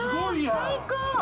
最高。